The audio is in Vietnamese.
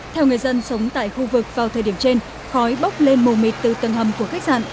theo người dân sống tại khu vực vào thời điểm trên khói bốc lên mù mịt từ tầng hầm của khách sạn